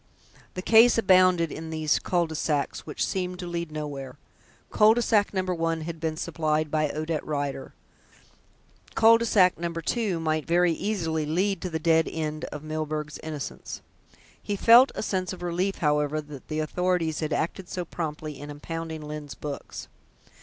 The case abounded in these culs de sac which seemed to lead nowhere. Cul de sac No. 1 had been supplied by Odette Rider; cul de sac No. 2 might very easily lead to the dead end of Milburgh's innocence. He felt a sense of relief, however, that the authorities had acted so promptly in impounding Lyne's books.